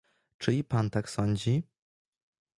"Czy i pan tak sądzi?"